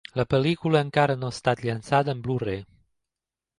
La pel·lícula encara no ha estat llançada en Blu-Ray.